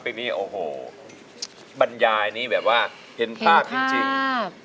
ปีนี้โอ้โหบรรยายนี้แบบว่าเห็นภาพจริง